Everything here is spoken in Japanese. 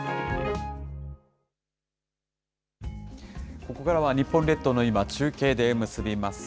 ここからは日本列島の今、中継で結びます。